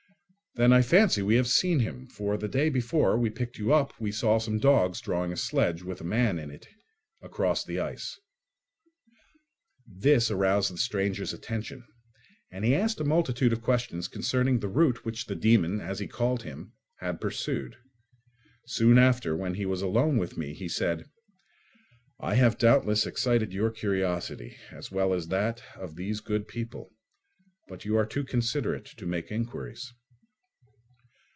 "Then I fancy we have seen him, for the day before we picked you up we saw some dogs drawing a sledge, with a man in it, across the ice." This aroused the stranger's attention, and he asked a multitude of questions concerning the route which the dæmon, as he called him, had pursued. Soon after, when he was alone with me, he said, "I have, doubtless, excited your curiosity, as well as that of these good people; but you are too considerate to make inquiries."